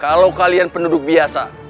kalau kalian penduduk biasa